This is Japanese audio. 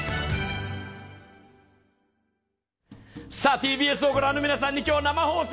ＴＢＳを御覧の皆さんに今日は生放送。